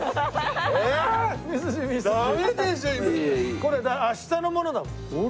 これ明日のものだもん。